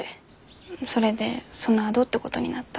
それでそのあとってごどになった。